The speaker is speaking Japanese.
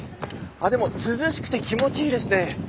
でも涼しくて気持ちいいですね。